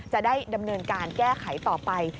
จะได้ดำเนินการแก้ไขต่อไป